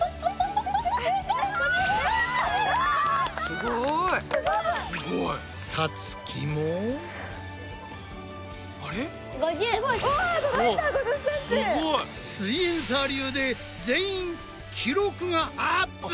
すごい！すイエんサー流で全員記録がアップ！